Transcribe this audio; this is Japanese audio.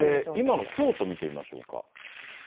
今の京都見てみましょうか。